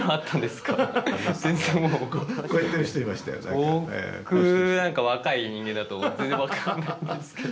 僕なんか若い人間だと全然分からないんですけど。